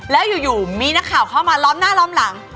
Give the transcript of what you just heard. แล้วอยู่มีนักข่าวเข้ามาล้อมหน้าล้อมหลัง